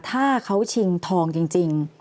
ถ้าเขาชิงทองจริง